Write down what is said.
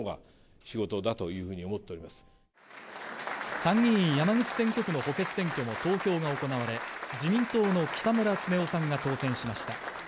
参議院山口選挙区の補欠選挙も投票が行われ自民党の北村経夫さんが当選しました。